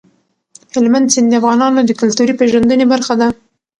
هلمند سیند د افغانانو د کلتوري پیژندنې برخه ده.